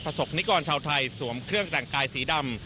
ประสงค์นิกรชาวไทยสวมเครื่องกลางกายสีดำ